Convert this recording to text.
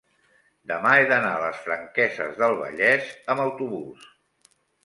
demà he d'anar a les Franqueses del Vallès amb autobús.